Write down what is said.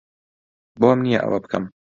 بۆم نییە ئەوە بکەم.